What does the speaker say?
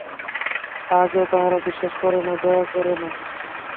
কাহাকেও তাহারা বিশ্বাস করে না, দয়া করে না।